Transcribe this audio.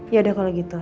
ya udah kalau gitu